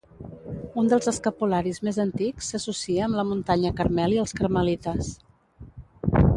Un dels escapularis més antics s'associa amb la Muntanya Carmel i els carmelites.